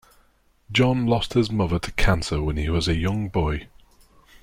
John lost his mother to cancer when he was a young boy.